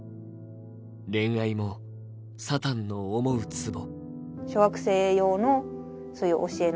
恋愛も、サタンの思うつぼ。